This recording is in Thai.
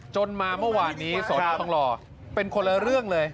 จนมาเมื่อวานนี้สนทองหล่อเป็นคนละเรื่องเลย